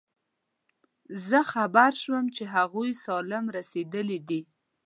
زه خبر شوم چې هغوی سالم رسېدلي دي.